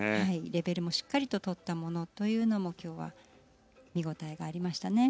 レベルもしっかりととったものというのも今日は見応えがありましたね。